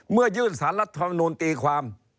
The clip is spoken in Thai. เมื่อยื่นสารรัฐมนูลตีความ